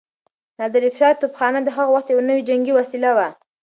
د نادرافشار توپخانه د هغه وخت يو نوی جنګي وسيله وه.